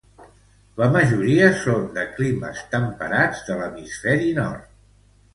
La majoria són de climes temperats de l'hemisferi nord.